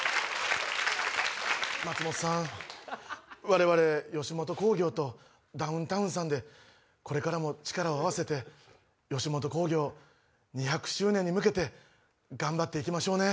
我々吉本興業とダウンタウンさんでこれからも力を合わせて吉本興業２００周年に向けて頑張って行きましょうね。